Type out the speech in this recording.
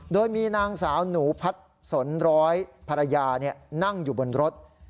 โดยมีนางสาวหนูพัดสนร้อยภรรยานั่งอยู่บนรถ